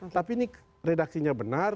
tapi ini redaksinya benar